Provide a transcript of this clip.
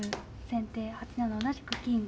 先手８七同じく金。